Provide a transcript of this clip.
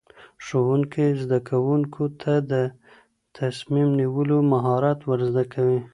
ښوونکی زدهکوونکو ته د تصمیم نیولو مهارت ورزده کوي.